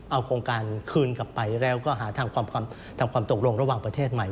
เอาโครงการคืนกลับไปแล้วก็หาทางความตกลงระหว่างประเทศใหม่